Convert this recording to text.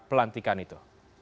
dan pelantikan itu